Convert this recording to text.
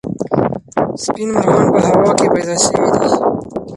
سپین مرغان په هوا کې پیدا سوي دي.